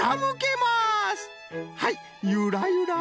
はいゆらゆら